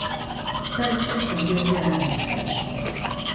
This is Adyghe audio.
Serç'e sıdiğui ar mefeç'.